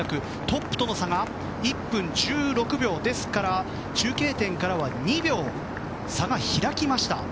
トップとの差が１分１６秒ですから中継点からは２秒差が開きました。